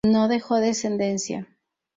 No dejó descendencia.